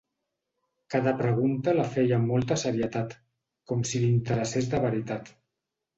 Cada pregunta la feia amb molta serietat, com si li interessés de veritat.